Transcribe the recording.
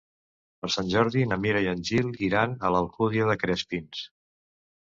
Per Sant Jordi na Mira i en Gil iran a l'Alcúdia de Crespins.